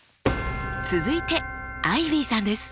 続いてアイビーさんです。